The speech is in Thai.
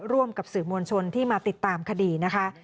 ร่วมกับสื่อมวลชนที่มาติดตามคดีนะคะ